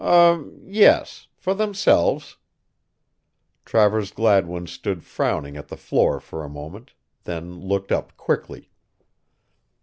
"H'm, yes for themselves." Travers Gladwin stood frowning at the floor for a moment, then looked up quickly.